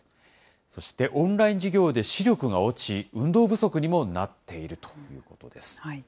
そしてオンライン授業で視力が落ち、運動不足にもなっているということです。